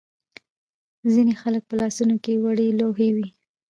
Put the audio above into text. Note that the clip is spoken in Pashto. ځینو خلکو په لاسونو کې وړې لوحې وې.